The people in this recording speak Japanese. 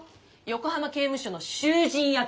横浜刑務所の囚人役！